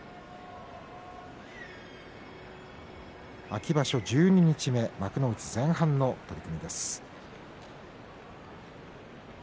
秋場所十二日目幕内前半の取組です。